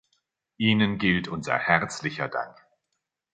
Ihnen gilt unser herzlicher Dank.